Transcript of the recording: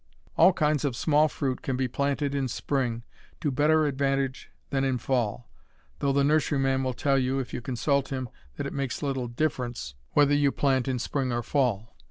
All kinds of small fruit can be planted in spring to better advantage than in fall, though the nurseryman will tell you, if you consult him, that it makes little difference whether you plant in spring or fall.